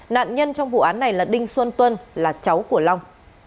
nạn nhân trong vụ án này là đinh xuân tuân là cháu của long